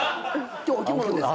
今日お着物ですから。